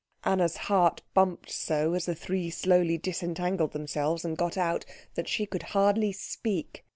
Anna's heart bumped so as the three slowly disentangled themselves and got out, that she could hardly speak.